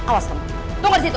awas kamu tunggu di situ